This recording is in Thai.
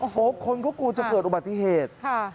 คุณทุกคนกลัวจะเกิดอุบัติเหตุ